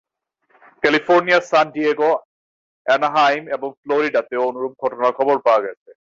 ক্যালিফোর্নিয়ার San Diego, Anaheim এবং ফ্লোরিডাতেও অনুরূপ ঘটনার খবর পাওয়া গেছে।